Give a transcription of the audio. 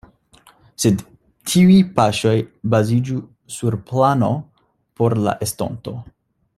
Sed tiuj paŝoj baziĝu sur plano por la estonto.